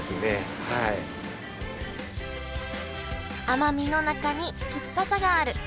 甘みの中に酸っぱさがある。